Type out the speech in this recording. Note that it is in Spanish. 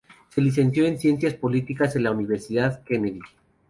Se licenció en Ciencias Políticas en la Universidad Kennedy.